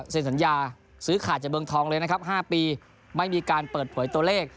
สัญญาซื้อขาดจากเมืองทองเลยนะครับ๕ปีไม่มีการเปิดเผยตัวเลข